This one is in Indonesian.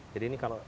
jadi ini kalau